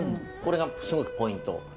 これがすごくポイント。